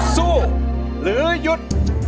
สู้หรือหยุด